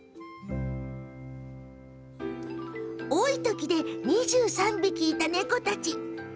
多いときで２３匹いた猫たち。